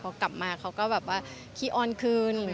พอกลับมาเขาก็แบบว่าขี้อ้อนคืน